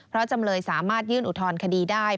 เพราะจำเลยสามารถยื่นอุทธรณคดีได้